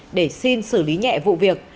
nguyễn duy hải xin xử lý nhẹ vụ việc